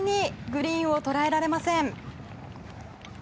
グリーンを捉えられません。